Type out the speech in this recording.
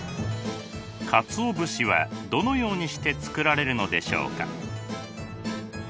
かつお節はどのようにして作られるのでしょうか？